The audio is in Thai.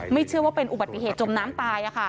เชื่อว่าเป็นอุบัติเหตุจมน้ำตาย